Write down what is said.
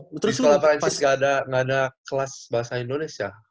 putri sekolah perancis gak ada kelas bahasa indonesia